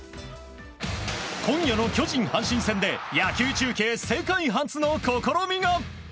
今夜の巨人、阪神戦で野球中継、世界初の試みが。